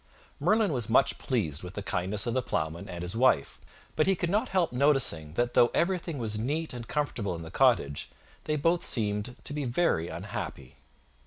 Merlin was much pleased with the kindness of the Ploughman and his wife; but he could not help noticing that though everything was neat and comfortable in the cottage, they both seemed to be very unhappy.